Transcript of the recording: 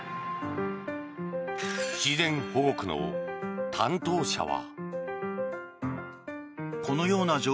自然保護区の担当者は。